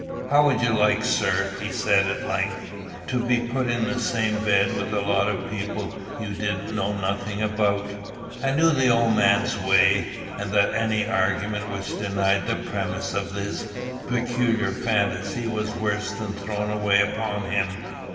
"How would you like, sir," he said, at length, "to be put in the same bed with a lot of people you didn't know nothing about?" I knew the old man's way, and that any argument which denied the premiss of his peculiar fancy was worse than thrown away upon him.